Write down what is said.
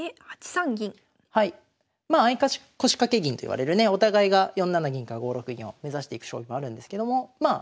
まあ相腰掛け銀といわれるねお互いが４七銀か５六銀を目指していく将棋もあるんですけどもまあ